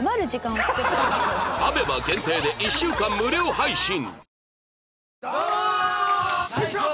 アベマ限定で１週間無料配信！